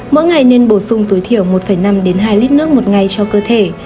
mỗi ngày nên bổ sung tối thiểu một năm hai lít nước một ngày cho cơ thể